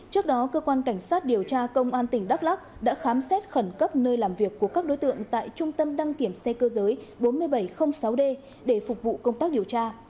trước đó cơ quan cảnh sát điều tra công an tỉnh đắk lắc đã khám xét khẩn cấp nơi làm việc của các đối tượng tại trung tâm đăng kiểm xe cơ giới bốn nghìn bảy trăm linh sáu d để phục vụ công tác điều tra